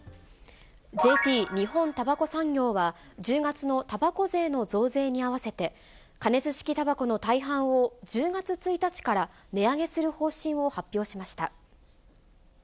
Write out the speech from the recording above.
ＪＴ・日本たばこ産業は、１０月のたばこ税の増税に合わせて、加熱式たばこの大半を、１０月１日から値上げする方針を発表しました。